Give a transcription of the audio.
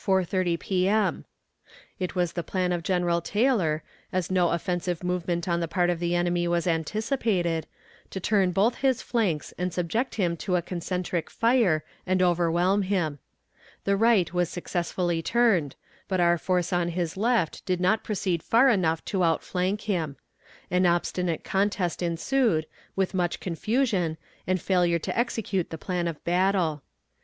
30 P.M. It was the plan of General Taylor, as no offensive movement on the part of the enemy was anticipated, to turn both his flanks and subject him to a concentric fire and overwhelm him. The right was successfully turned, but our force on his left did not proceed far enough to outflank him. An obstinate contest ensued, with much confusion, and failure to execute the plan of battle.